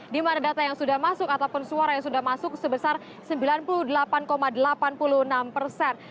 di mana data yang sudah masuk ataupun suara yang sudah masuk sebesar sembilan puluh delapan delapan puluh enam persen